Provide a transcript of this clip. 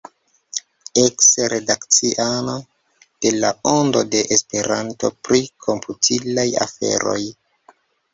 Eks-redakciano de La Ondo de Esperanto pri komputilaj aferoj.